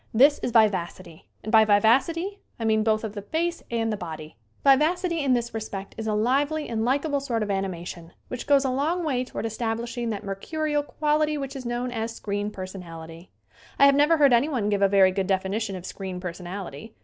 That is vivacity, and by vivacity I mean both of the face and the body. Vivacity in this respect is a lively and likable sort of animation which goes a long way toward establishing that mercurial quality which is known as "screen personality." I have never heard anyone give a very good definition of "screen personality."